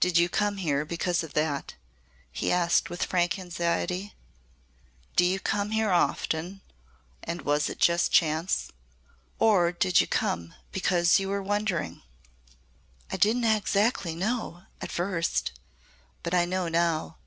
"Did you come here because of that?" he asked with frank anxiety. "Do you come here often and was it just chance? Or did you come because you were wondering?" "I didn't exactly know at first. But I know now.